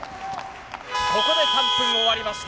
ここで３分が終わりました。